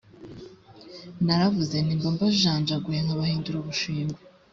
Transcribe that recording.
naravuze nti ’mba mbajanjaguye nkabahindura ubushingwe